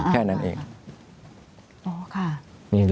แค่นั้นเอง